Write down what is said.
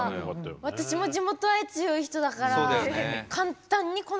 私も地元愛強い人だからそうですよ。